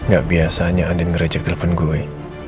gak biasanya andien nge reject telepon gue